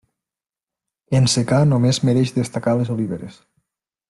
En secà només mereix destacar les oliveres.